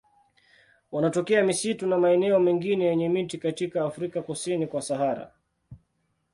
Wanatokea misitu na maeneo mengine yenye miti katika Afrika kusini kwa Sahara.